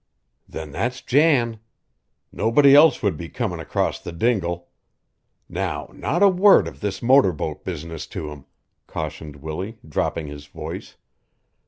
"Then that's Jan. Nobody else would be comin' across the dingle. Now not a word of this motor boat business to him," cautioned Willie, dropping his voice.